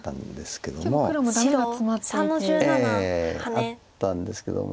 あったんですけども。